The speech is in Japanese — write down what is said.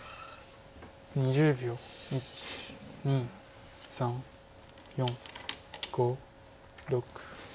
１２３４５６。